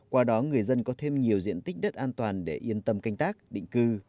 qua đó người dân có thêm nhiều diện tích đất an toàn để yên tâm canh tác định cư